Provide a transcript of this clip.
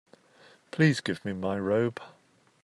Please give me my robe.